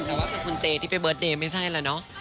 แต่ว่าเกฮะคนเจที่ไปเบิร์ตเดย์ไม่ใช่เหรอเนาะ